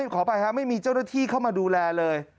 ขออภัยครับไม่มีเจ้าหน้าที่เข้ามาดูแลเลย